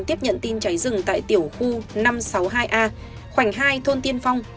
tiếp nhận tin cháy rừng tại tiểu khu năm trăm sáu mươi hai a khoảnh hai thôn tiên phong